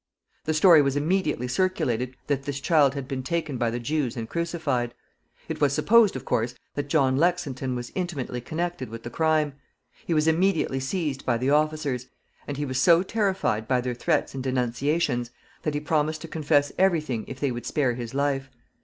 The story was immediately circulated that this child had been taken by the Jews and crucified. It was supposed, of course, that John Lexinton was intimately connected with the crime. He was immediately seized by the officers, and he was so terrified by their threats and denunciations that he promised to confess every thing if they would spare his life.